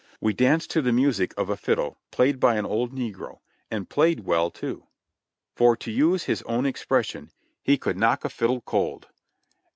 We danced to the music of a fiddle, played by an old negro, and played well too ; for to use his own expression, he "could knock a fiddle 6 S2 JOHNNY RKB AND BILLY YANK cold."